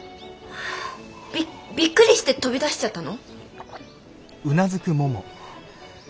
びびっくりして飛び出しちゃったの？